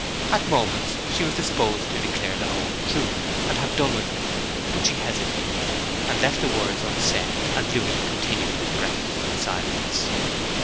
At moments she was disposed to declare the whole truth, and have done with it. But she hesitated, and left the words unsaid; and Louis continued his breakfast in silence.